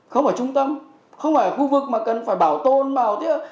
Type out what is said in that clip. không phải trung tâm không phải khu vực mà cần phải bảo tôn bảo tế